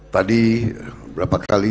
tadi berapa kali